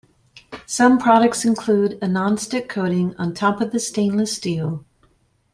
Some products include a nonstick coating on top of the stainless steel.